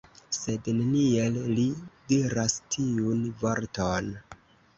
Sed neniel li diras tiun vorton!